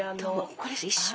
これ一緒？